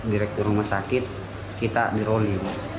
direktur rumah sakit kita di roli